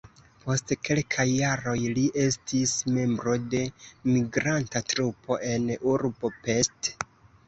Post kelkaj jaroj li estis membro de migranta trupo en urbo Pest.